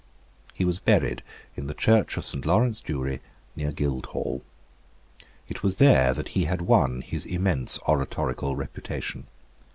He was buried in the church of Saint Lawrence Jewry, near Guildhall. It was there that he had won his immense oratorical reputation.